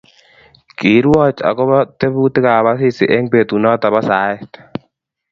Kiirwoch agobo tebutikab Asisi eng betunoto bo saet